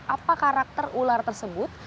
apa karakter ular tersebut